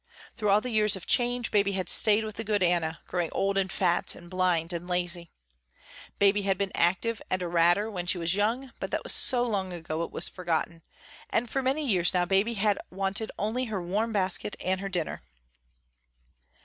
Through all the years of change, Baby had stayed with the good Anna, growing old and fat and blind and lazy. Baby had been active and a ratter when she was young, but that was so long ago it was forgotten, and for many years now Baby had wanted only her warm basket and her dinner.